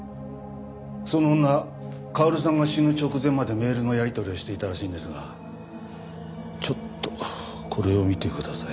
その女薫さんが死ぬ直前までメールのやりとりをしていたらしいんですがちょっとこれを見てください。